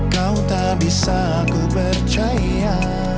kau tak bisa aku percaya